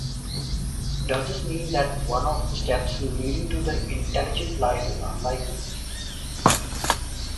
Does this mean that one of the steps leading to intelligent life is unlikely?